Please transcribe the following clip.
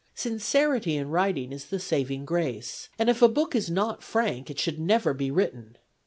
Sincerity in writing is the saving grace, and if a book is not frank, it should never be written.